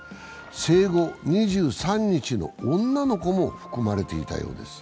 生後２３日の女の子も含まれていたようです。